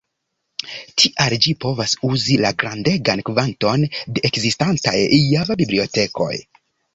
Tial ĝi povas uzi la grandegan kvanton de ekzistantaj Java-bibliotekoj.